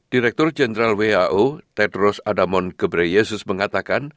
direktur jenderal wao tedros adhamon ghebreyesus mengatakan